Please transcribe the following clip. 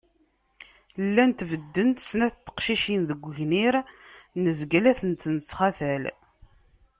Llant beddent snat n teqcicin deg ugnir, nezga la tent-nettxatal